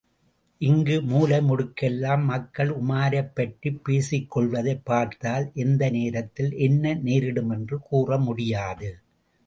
இங்கு மூலைமுடுக்கெல்லாம் மக்கள் உமாரைப்பற்றிப் பேசிக்கொள்வதைப் பார்த்தால் எந்த நேரத்தில் என்ன நேரிடுமென்று கூறமுடியாது.